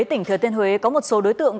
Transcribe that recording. tỉnh thừa tiên huế có một số đối tượng